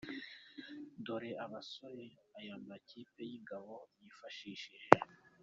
Dore abasore aya makipe y’ingabo yifashishije